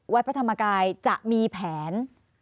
วัดพระธรรมกายจะมีแผน